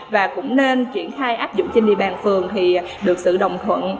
và cũng nên triển khai áp dụng trên địa bàn phường thì được sự đồng thuận